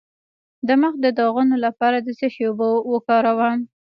د مخ د داغونو لپاره د څه شي اوبه وکاروم؟